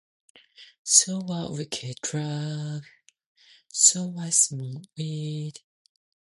In addition, a number of foreign nationals also work at the base.